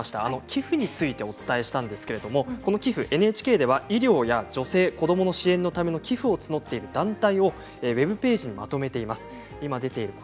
寄付についてお伝えしたんですけれどもＮＨＫでは医療や女性、子どもの支援のための寄付を募っている団体をウェブページにまとめています。